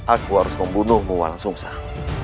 aku harus membunuhmu wan sungsang